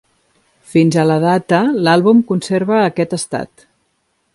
Fins a la data, l'àlbum conserva aquest estat.